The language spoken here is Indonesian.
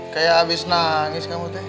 kayak abis nangis kamu tuh